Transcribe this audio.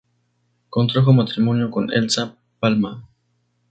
Contrajo matrimonio con Elsa Palma.